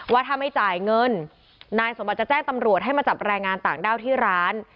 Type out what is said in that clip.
ว่าถ้าไม่จ่ายเงินนายสมบัติจะแจ้งตำรวจให้มาจับแรงงานต่างด้าวที่ร้าน